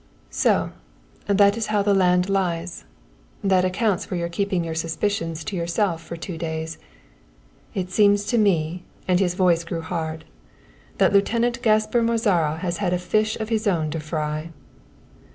"So. That's how the land lies. That accounts for your keeping your suspicions to yourself for two days. It seems to me," and his voice grew hard, "that Lieutenant Gaspar Mozara has had a fish of his own to fry."